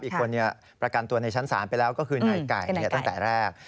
อีกคนประกันตัวในชั้นศาลไปแล้วก็คือนายไก่ตั้งแต่แรก